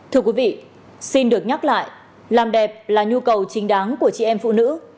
thưa quý vị xin được nhắc lại làm đẹp là nhu cầu chính đáng của chị em phụ nữ